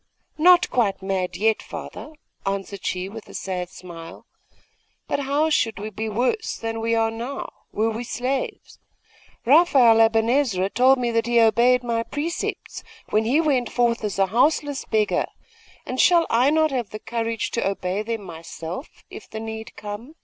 'Not quite mad yet, father,' answered she with a sad smile. 'But how should we be worse than we are now, were we slaves? Raphael Aben Ezra told me that he obeyed my precepts, when he went forth as a houseless beggar; and shall I not have courage to obey them myself, if the need come?